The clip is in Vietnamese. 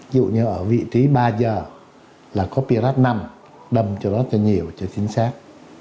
ví dụ như ở vị trí ba giờ là có perrt năm đâm cho nó cho nhiều cho chính xác